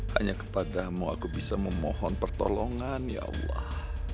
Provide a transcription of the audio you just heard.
hanya kepadamu aku bisa memohon pertolongan ya allah